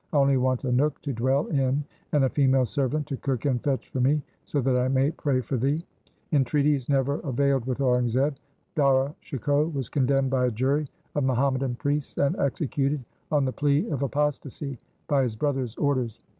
I only want a nook to dwell in and a female servant to cook and fetch for me so that I may pray for thee.' Entreaties never availed with Aurangzeb. Dara Shikoh was condemned by a jury of Muhammadan priests and executed on the plea of apostasy by his brother's orders.